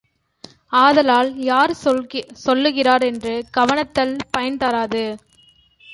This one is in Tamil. ஆதலால் யார் சொல்லுகிறார் என்று கவனித்தல் பயன் தராது.